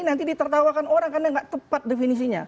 nanti ditertawakan orang karena nggak tepat definisinya